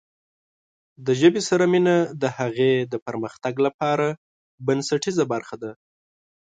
د ژبې سره مینه د هغې پرمختګ لپاره بنسټیزه برخه ده.